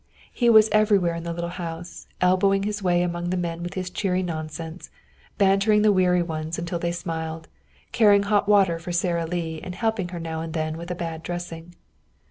He was everywhere in the little house, elbowing his way among the men with his cheery nonsense, bantering the weary ones until they smiled, carrying hot water for Sara Lee and helping her now and then with a bad dressing.